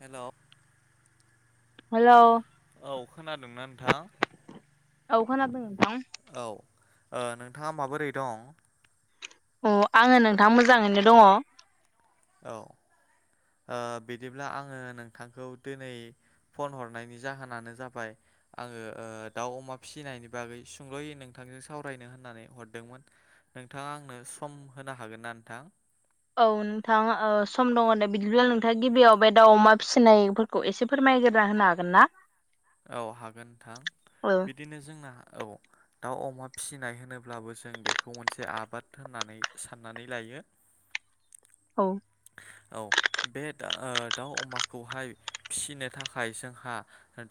हेल' hello औ खोनादोंना नोंथां। औ‌ खोनादों। नोंथां औ ओ नोंथाङा माबोरै दं। अ आङो नोंथां मोजाङैनो दङ'। औ ओ बिदिब्ला आङो नोंथांखौ दिनै फन हरनायनि जाहोनानो जाबाय आङो ओ दाउ अमा फिसिनायनि बागै सुंद'यै नोंथां। जों सावरायनो होननानै हरदोंमोन नोंथाङा आंनो सम होनो हागोन ना नोंथां? औ नोंथां सम दङ' दे बिदिब्ला नोंथाङा गिबियाव बे दाउ अमा फिसिनायफोरखौ एसे फोरमाय गोरना होनो हागोन ना? औ हागोन नोंथां औ बिदिनो जोंना औ दाउ अमा फिसिनाय होनोब्लाबो जों बेखौ मोनसे आबाद होननानै साननानै लायो। [inaudible] औ। [inaudible] औ बे ओ दाउ अमाखौहाय फिसिनो थाखाय जोंहा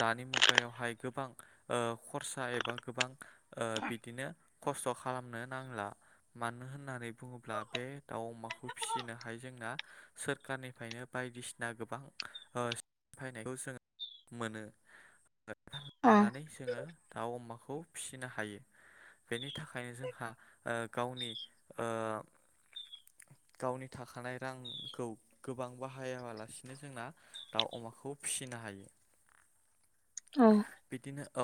दानि मुगायावहाय गोबां खरसा एबा गोबां ओ बिदिनो खस्थ' खालाम नो नांला मानो होननानै बुङोब्ला बे दाउ अमाखौ फिसिनो हाय जोंना सोरखारनिफ्रायनो बायदिसिना गोबां ओ स्किम फायनायखौ जोङो। मोनो अ लानानै जोङो दाउ अमाखौ खौ फिसिनो हायो। बेनि थाखायनो जोंहा ओ गावनि ओ। गावनि थाखानाय। रांखौ गोबां बाहायालासिनो जोंना दाउ अमाखौ फिसिनो हायो। [inaudible] औ बिदिनो औ।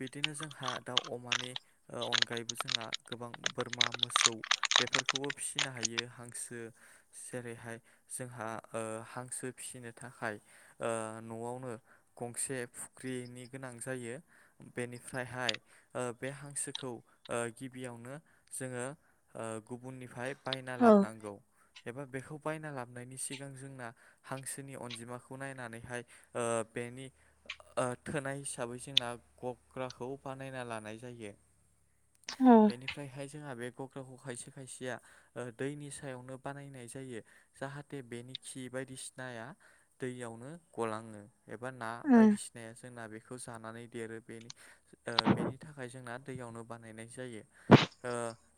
बिदिनो जोंहा दाउ अमानि ओ अनगायैबो जोंहा गोबां बोरमा मोसौ। बेफोरखौबो फिसिनो हायो हांसो जेरैहाय जोंहा ओ हांसो। फिसिनो थाखाय ओ न'आवनो गंसे। फुख्रिनि गोनां जायो बेनिफ्रायहाय ओ बे हांसोखौ गिबियाव। नो जोङो ओ गुबुननिफ्राय बायना औ लाबोनांगौ। एबा बेखौ बायना लाबनायनि सिगां जोंना हांसोनि अनजिमाखौ नायनानैहाय ओ। बेनि ओ थोनाय हिसाबै जोंना गग्राखौ बानायना लानाय जायो। औ बेनिफ्रायहाय जोंहा बे। गग्राखौ खायसे खायसेया दैनि सायावनो बानायनाय जायो जाहाथे बेनि खि बायदिसिनाया दैयावनो गलाङो एबा ना उम बायदिसिना। या जोंना बेखौ जानानै देरो बेनि बेनि थाखाय जोंना दैयावनो बानायनाय जायो। ओ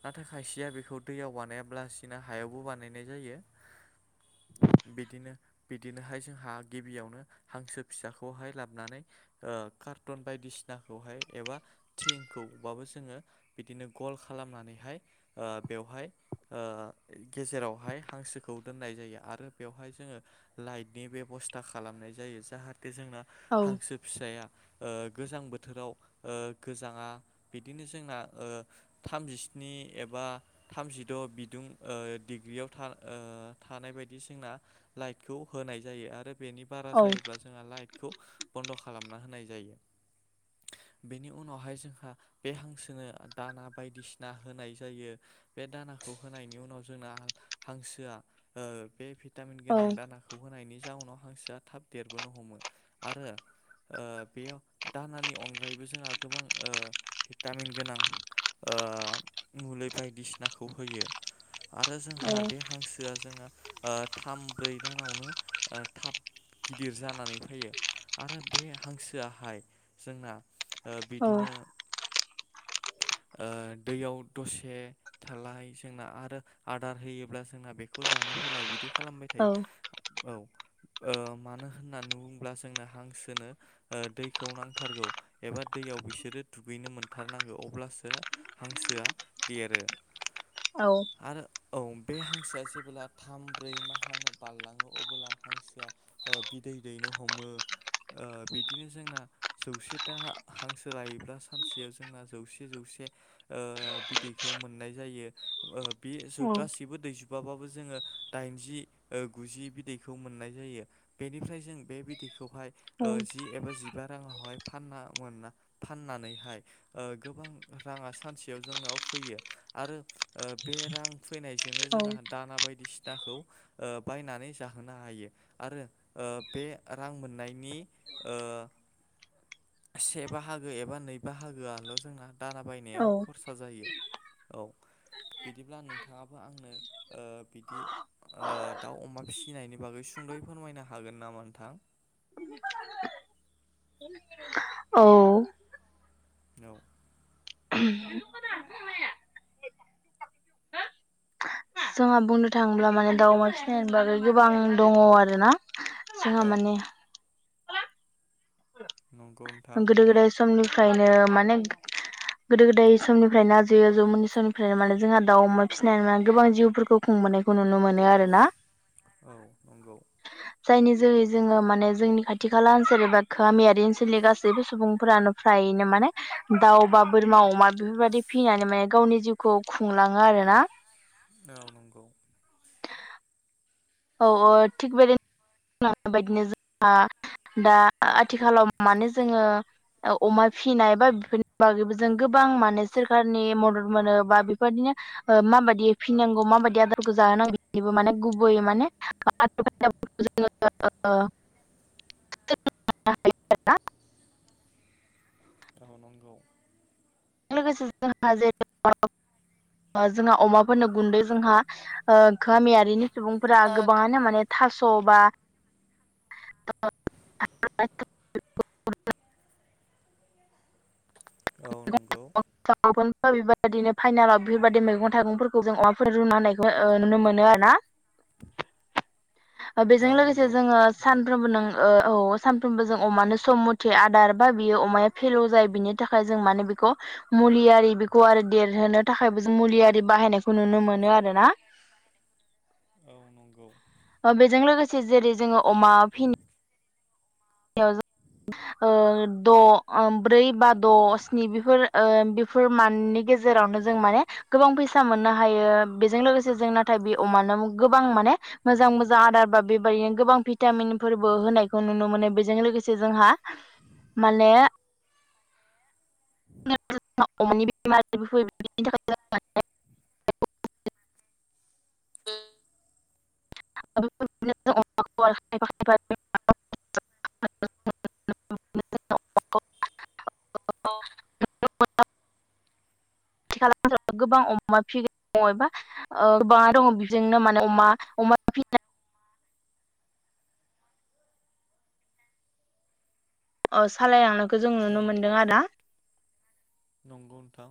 नाथाय खायसेया बेखौ दैयाव बानायाब्ला सिनो हायावबो बानायनाय जायो। [inaudible] बिदिनोहाय जोंहा गिबियावनो हांसो फिसाखौहाय लाबो। नानै ओ खार्ठन बायदिसिनाखौहाय एबा थिंखौबाबो जोङो। बिनो गल खालामनानैहाय बेवहाय ओ गेजेरावहाय हांसोखौ दोन नाय जायो आरो बेयावहाय जों लाइटनि बेबसथा खालामनाय जायो जाहाते जोंना औ हांसो फिसाया ओ गोजां बोथोराव ओ गोजाङा बिदिनो जोंना ओ थामजिस्नि स्नि एबा थामजिद' बिदुं डिग्रियाव थानाय बायदि जोंना। लाटखौ होनाय जायो आरो बेनि बारा औ जायो जों लाट बन्द' खालामना होनाय जायो। बेनि उनावहाय जोंहा बे हांसोनो दाना बायदिसिना होनाय जायो बे दाना खौ होनायनि उनाव जोंना हांसोआ बे भिटामिन औ गोनां दानाखौ होनायनि जाउनाव हांसोआ थाब देरबोनो हमो आरो। बेयाव दानानि अनगायैबो जोंहा गोबां भिटामिन गोनां। ओ मुलि बायदिसिनाखौ होयो। आरो औ जोंहा बे हांसोआ जोंहा थाम ब्रै दानावनो थाब गिदिर जानानै फैयो आरो बे हांसोआहाय जोंना औ बिदिनो ओ दैयाव दसे थालाय जोंना आरो आदार होयोब्ला जोंना बेखौ जानो। फैलाय बिदि खालामबाय थायो औ। मानो होननानै बुङोब्ला जोंनो हांसोनो दैखौ नांथारगौ एबा दैयाव बि सोरो दुगैनो मोनथारनांगौ अब्लासो हांसोआ देरो। औ आरो औ बे हांसोआ जेब्ला थाम ब्रै माहानो बारलाङो अब्ला हांसोआ बिदै दैनो हम मो ओ बिदिनो जोंना हांसो लायोब्ला सानसेयाव जों जोंना जौसे जौसे ओ बिदैखौ मोननाय जायो गासिबो। दैजाबाबो जोङो दाइन गुजि बिदैखौ मोननाय जायो बेनिफ्राय जों बे। बे बिदैखौहाय जि एबा जिबा राङावहाय फान मोन फाननानैहाय। गोबां राङा सानसेयाव जोंनाव फैयो आरो बे रां। फैनायजोंनो औ जोंहा दाना बायदिसि फिथाखौ बायनानै जाहोनो हायो आरो बे रां मोननायनि से बाहागो एबा नै बाहागोआ जोंना दाना औ बायनायाव खरसा जायो औ। बिदिब्ला नोंथाङाबो आंनो बिदि दाउ अमा फिसिनायनि बागै सुं दै फोरमायनो हागोन नामा नोंथां? औ औ जोंहा बुंनो थाङोब्ला माने दाउमा सिनायनायनि बागै गोबां दङ आरो ना। जोङो औ माने नंगौ नोंथां गोदो गोदाय समनिफ्रायनो माने गोदो गोदाय समनिफ्रायनो जो जौमोननि समनिफ्रायनो माने जोंहा दाउ अमा फिसिनायनानै माने गोबां जिउफोरखौ खुंबोनायखौ नुनो मोनो आरोना। औ नंगौ जायनि जोहै जोङो माने जोंनि खाथि खाला ओनसोल एबा गामियारि ओनसोलनि गा सैबो सुबुंफोरानो फ्रायैनो माने दाउ बा बोरमा अमा बेफोरबायदि फिनानै माने गावनि जिउ खौ खुंलाङो आरो ना। औ नंगौ औ औ थिग बेदिनो नाय [unintelligible] बायदिनो जोंहा दा आथिखालाव माने जोङो अमा फिनाय बाफोरनि बागै जों गोबां माने सोरखारनि मदद मोनो बा बेफोरदिनो माबायदि फिनांगौ माबायदि आदारखौ जाहोनांगौ बेबो माने गुबैयै माने [unintelligible] [unintelligible] औ नंगौ बे लोगोसे जों [unintelligible] जोंहा अमाफोरनो गुन्दै जोंहा गामियारिनो सुबुंफोरा ओ गोबाङानो माने थास' बा [unintelligible] औ नंगौ बेबायदिनो फाइनालाव बेफोरबायदि मैगं थाइगंफोरखौ जों अमाफोरनो रुना होनायखौ नुनो मोनो आरो ना। औ बेजों लोगोसे नंगौ जोङो नोंथां सानफ्रोमबो नों औ सानफ्रोमबो जों अमानो सम मथे आदार बा बियो अमाया फेल' जायो बिनि थाखाय जों माने बेखौ मुलियारि बेखौ आरो देरहोनो थाखायबो जों मुलियारि बाहायनायखौ नुनो मोनो मोनो आरोना। [unintelligible] औ नंगौ बेजों लोगोसे जेरै जोङो अमा फि [unintelligible] द' ब्रै बा द' स्नि बेफोर बेफोर माननि गेजेरावनो जों माने गोबां फैसा मोननो हायो बेजों लोगोसे जों नाथाय बे अमानो गोबां मान मोजां मोजां आदार बा बेबायदिनो गोबां भिटामिनफोरबो होनायखौ नुनो मोनो। जों लोगोसे जोंहा माने अमानि बेमार जाफैयैनि थाखाय उम [unintelligible] [inaudible] अ अ [unintelligible] खाथि खालाफोराव गोबां अमा फिग्रा दङ एबा गोबाङा दङ बेजोंनो माने अमा फिनाय अ सालायलांनायखौ जों नुनो मोनदों आरो ना। नंगौ नोंथां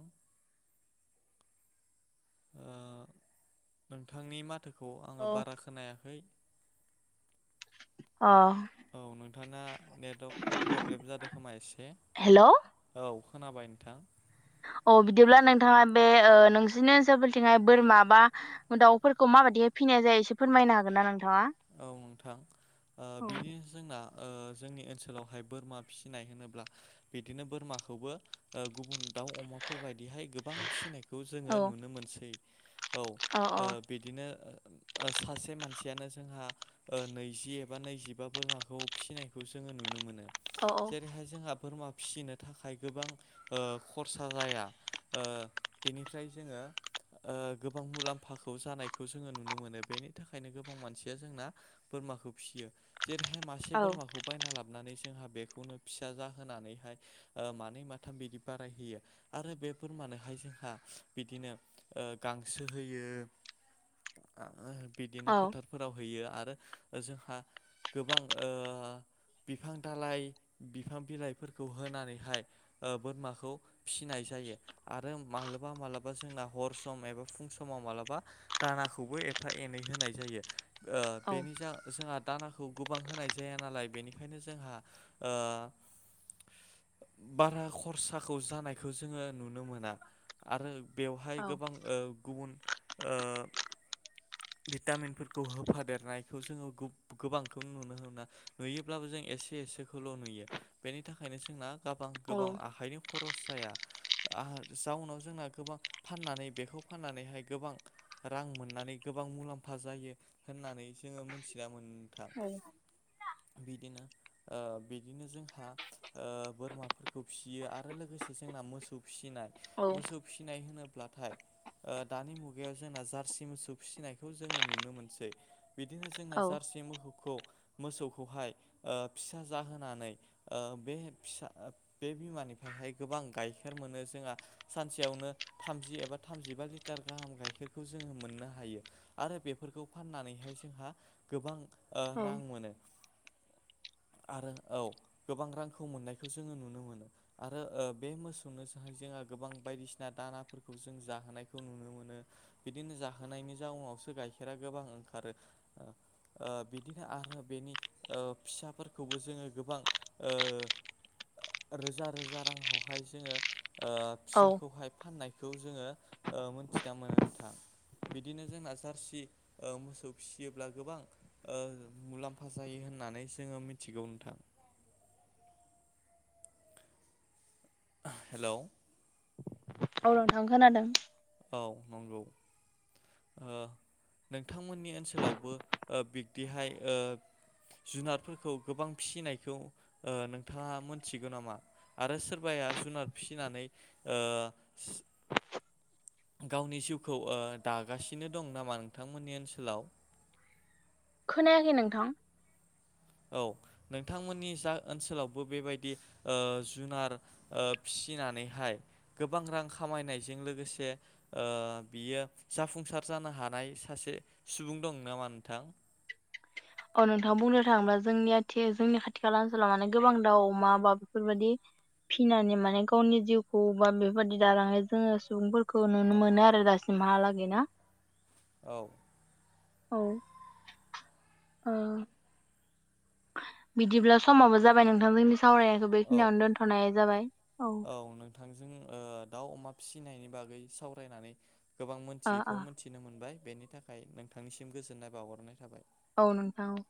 नोंथांनि माथोखौ आङो बारा खोनायाखै अ नोंथाङा नेटवारक प्रब्लेम जादों खोमा एसे हेलौ औ खोनाबाय नोंथां अ बिदिब्ला नोंथाङा बे ओ नोंसिनि ओनसोलफोरथिंङाय बोरमा बा दाउफोरखौ मा माबादिहै फिनाय जायो एसे फोरमायनो हागोनना नोंथां औ नोंथां औ बिदिनो जोंना जोंनि ओनसोलावहाय बोरमा फिसिनाय होनोब्ला बिदिनो बोरमाखौबो गुबुन दाउ अमाफोर बायदिहाय गोबां फिसिनायखौ औ जोङो नुनो मोनसै औ बिदिनो सासे मानसियानो जोंहा नैजि एबा नैजिबा बोरमाखौ फिसिनायखौ जोङो नुनो मोनो औ जेरैहाय जोंहा बोरमा फिसिनो थाखाय गोबां खरसा जाया बेनिफ्राय जोङो गोबां मुलाम्फाखौ जानायखौ जोङो नुनो मोनो बेनि थाखायनो गोबां मानसि जोंना बोरमाखौ फिसियो जेरैहाय मासे औ बोरमाखौ बायना लाबोननानै जोंहा बेखौनो फिसा जाहोनानैहाय मानै माथाम बिदि बारायहैयो आरो बे बोरमानोहाय जोंहा बिदिनो गांसो होयो बिदिनो औ फोथारफोराव हैयो आरो जोंहा गोबां बिफां दालाइ बिफां बिलाइफोरखौ होनानैहाय बोरमाखौ फिसिनाय आरो माबा मालाबा जों हर सम एबा फुं समाव मालाबा दानाखौबो एफा एनै होनाय जायो औ बेनि जा जोंहा दानाखौ गोबां होनाय जाया नालाय बेनिखायनो जोंहा बारा खरसाखौ जानायखौ जोङो नुनो मोना आरो बेवहाय औ गोबां गुबुन भिटामिन खौ होफादेरनायखौ जोङो गोबांखौ नुनो मोना नुयोब्लाबो जों एसे एसेखौल' नुयो बेनि थाखायनो जोंना बां गोबां आखाइनि खरस जाया आ जाउनाव जोंना गोबां फाननानै बेखौ फाननानैहाय गोबां रां मोननानै गोबां मुलाम्फा जायो होननानै जोङो मोनथिना मोन औ [inaudible] बिदिनो बिदिनो जोंहा ओ बोरमाफोरखौ फिसियो आरो लोगोसे जोंना मोसौ फिसिनाय मोसौ फिनाय होनोब्लाथाय ओ दानि मुगायाव जोंना जारसि मोसौ फिसिनायखौ जोङो नुनो मोनो। बिदिनो जोंना औ जारसे मोखौखौ मोसौखौहाय ओ फिसा जाहोनानै ओ बे फिसा बे बिमानिफ्रायहाय गोबां गाइखेर मोनो जोंहा सानसेयाव नो थामजि एबा थामजिबा लिटार गाहाम गायखेरखौ जों मोननो हायो आरो बेफोरखौ फाननानैहाय जोंहा ओ गोबां रां मोनो आरो औ गोबां रांखौ मोननायखौ जोङो नुनो मोनो आरो बे मोसौनो जाहाय जोङा गोबां बायदिसिना दानाफोरखौ जों जाहोनायखौ नुनो मोनो बिदिनो जाहोनायनि जाउनावसो गाइखेरा गोबां ओंखारो ओ बिदिनो आरो बेनि फिसाफोरखौबो जोङो गोबां ओ रोजा रोजा राङावहाय जोङो ओ फिसाखौहाय फाननाय खौ जोङो ओ मोनथिना मोनो नोंथां बिदिनो जोंना जारसि मोसौ फिसियोब्ला गोबां ओ मुलाम्फा जायो होननानै जोङो मिथिगौ नोंथां [inaudible] हेलौ औ नोंथां खोनादों औ नंगौ ओ नोंथांमोननि ओनसोलावबो ओ बिब्दिहाय ओ जुनारफोरखौ गोबां फिसिनायखौ ओ नोंथाङा मोनथिगौ नामा आरो सोरबा या जुनार फिसिनानै ओ गावनि जिउखौ ओ दागासिनो दं नामा नोंथांमोननि ओनसोलाव [inaudible] खोनायाखै नोंथां औ नोंथांमोननि जा ओनसोलावबो बेबायदि ओ जुनार ओ फिसिनानैहाय गोबां रां खामायनायजों लोगोसे ओ बियो जाफुंसार जानो हानाय सासे सुबुं दं नामा नोंथां? औ नोंथाङा बुंनो थाङोब्ला जोंनिथि जोंनि खाथि खाला ओनसोलाव माने गोबां दाउ अमा बा बेफोरबायदि फिनानै माने गावनि जिउखौ बा बेफोरबायदि दालानाय जोङो सुबुंफोर खौ नुनो औ मोनो आरो दासिमहालागै ना औ औ ओ बिदिब्ला समावबो जाबाय नोंथां जोंनि सावरायनायखौ औ बेखिनियावनो दोन्थ'नाय जाबाय औ नोंथांजों दाउ, अमा फिसिनायनि बागै सावरायनानै गोबां ओ मोनथियैखौ मोनथिनो मोनबाय बेनि थाखाय नोंथांनिसिम गोजोननाय बावहरनाय थाबाय औ नोंथां औ